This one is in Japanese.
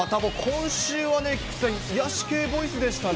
今週はね、菊池さん、癒し系ボイスでしたね。